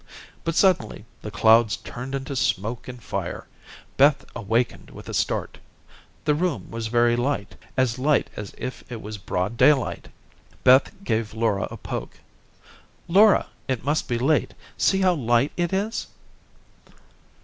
But, suddenly, the clouds turned into smoke and fire. Beth awakened with a start. The room was very light, as light as if it was broad daylight. Beth gave Laura a poke, "Laura, it must be late. See how light it is."